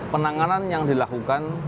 penanganan yang dilakukan